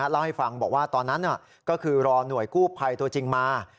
เล่าให้ฟังบอกว่าตอนนั้นก็คือรอหน่วยกู้ภัยตัวจริงมา